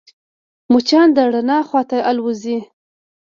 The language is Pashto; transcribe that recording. مچان د رڼا خواته الوزي